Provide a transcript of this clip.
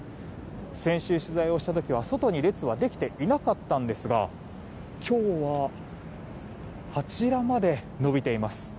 先週取材した時は、外に列はできていなかったんですが今日はあちらまで伸びています。